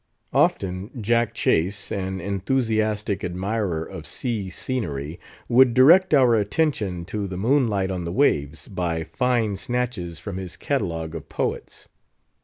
Often Jack Chase, an enthusiastic admirer of sea scenery, would direct our attention to the moonlight on the waves, by fine snatches from his catalogue of poets.